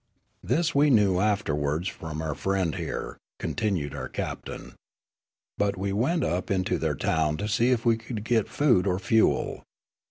" This we knew afterwards from our friend here," continued our captain. " But we went up into their town to see if we could get food or fuel.